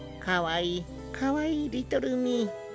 かわいいかわいいリトルミイ。